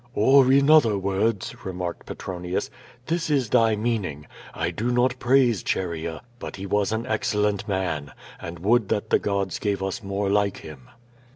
"Or, in other words," remarked Petronius, "this is» tliy meaning: I do not praise Chaerea, but he was an excellent man, and would that the gods gave us more like him."